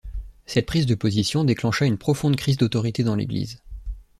Cette prise de position déclencha une profonde crise d'autorité dans l'Église.